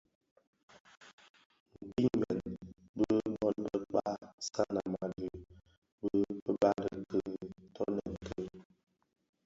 Kpimbèn bi bōn bë Mkpag. Sanam a dhi bi bali I kitoňèn ki.